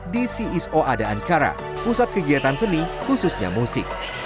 di ciso ada ankara pusat kegiatan seni khususnya musik